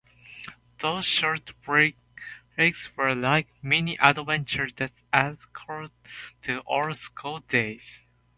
Those short breaks were like mini-adventures that added color to our school days.